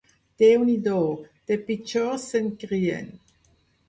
Déu n'hi do, de pitjors se'n crien